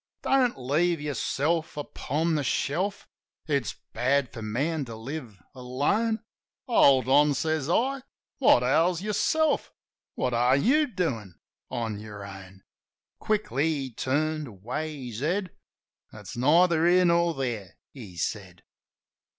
"Don't leave yourself upon the shelf: It's bad for man to live alone." "Hold on," says I. "What ails yourself? What are you doin'on your own?" Quickly he turned away his head. "That's neither here nor there," he said.